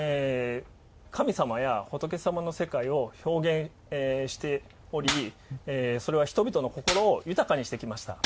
神様や仏様の世界を表現しておりそれは人々の心を豊かにしてきました。